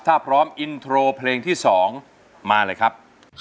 ถ้าพร้อมอินโทรเพลงที่๒มาเลยครับ